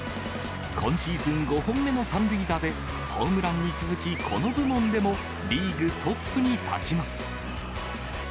今シーズン５本目の３塁打で、ホームランに続き、この部門でもリーグトップに立ちます。